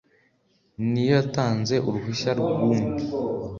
ni yo yatanze uruhushya rw'umwe